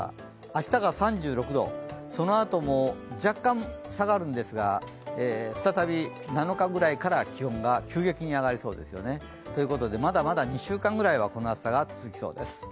明日が３６度、そのあとも若干、下がるんですが再び７日ぐらいから気温が急激に上がりそうですよね。ということで、まだまだ２週間ぐらいは、この暑さが続きそうです。